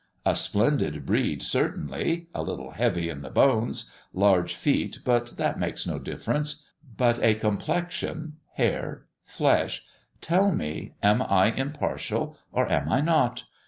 A splendid breed, certainly a little heavy in the bones large feet, but that makes no difference but a complexion hair flesh tell me, am I impartial, or am I not?